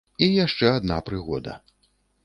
І яшчэ адна прыгода.